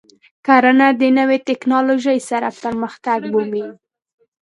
کرنه د نوې تکنالوژۍ سره پرمختګ مومي.